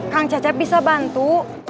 kang cecep bisa bantu